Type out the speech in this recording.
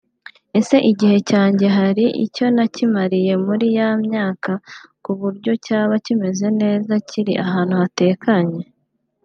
Ese igihugu cyanjye hari icyo nakimariye muri ya myaka kuburyo cyaba kimeze neza kiri ahantu hatekanye